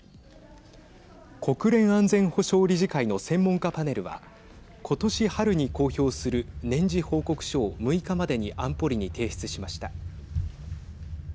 国連安全保障理事会の専門家パネルは今年、春に公表する年次報告書を６日までに安保理に提出しました。